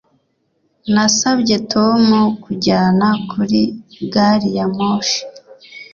Nasabye Tom kunjyana kuri gari ya moshi